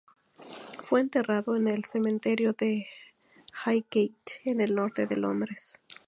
Fue enterrado en el cementerio de Highgate, en el norte de Londres.